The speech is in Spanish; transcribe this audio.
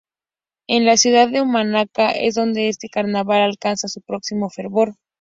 En la ciudad de Humahuaca es donde este carnaval alcanza su máximo fervor.